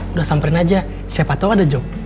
udah samperin aja siapa tau ada joke